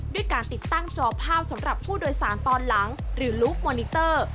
ด้วยการติดตั้งจอภาพสำหรับผู้โดยสารตอนหลังหรือลูฟมอนิเตอร์